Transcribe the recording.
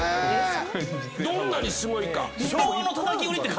どんなにすごいか。